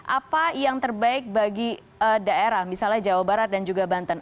apa yang terbaik bagi daerah misalnya jawa barat dan juga banten